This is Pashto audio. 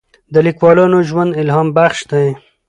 د لیکوالانو ژوند الهام بخش دی.